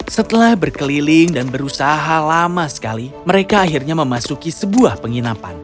setelah berkeliling dan berusaha lama sekali mereka akhirnya memasuki sebuah penginapan